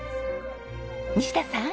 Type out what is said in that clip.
西田さん。